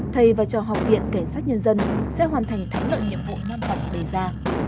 thầy và trò học viện kẻ sát nhân dân sẽ hoàn thành thắng lợi nhiệm vụ nam tộc đề ra